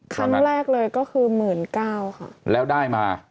ครั้งแรกเลยก็คือหมื่นเก้าค่ะแล้วได้มา